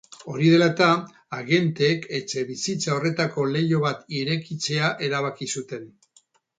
Hori dela eta, agenteek etxebizitza horretako leiho bat irekitzea erabaki zuten.